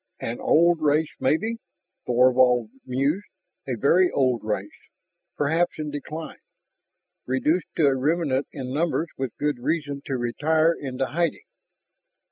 "An old race, maybe," Thorvald mused, "a very old race, perhaps in decline, reduced to a remnant in numbers with good reason to retire into hiding.